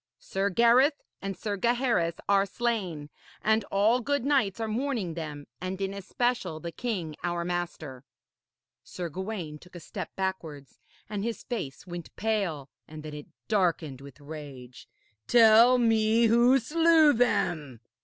Sir Gareth and Sir Gaheris are slain, and all good knights are mourning them, and in especial the king our master.' Sir Gawaine took a step backwards and his face went pale and then it darkened with rage. 'Tell me who slew them?'